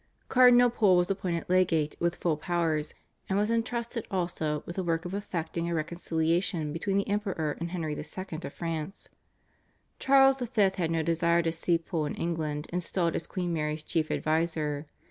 Cardinal Pole was appointed legate with full powers, and was entrusted also with the work of effecting a reconciliation between the Emperor and Henry II. of France. Charles V. had no desire to see Pole in England installed as Queen Mary's chief adviser.